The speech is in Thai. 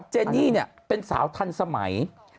เจนนี่เนี่ยเป็นสาวทันสมัย